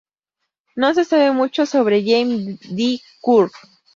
No se sabe mucho sobre Jamie De Curry.